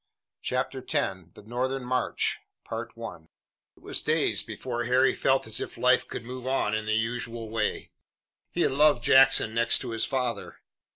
CHAPTER X THE NORTHERN MARCH It was days before Harry felt as if life could move on in the usual way. He had loved Jackson next to his father.